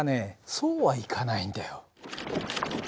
そうはいかないんだよ。